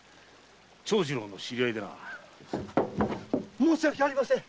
申し訳ありません！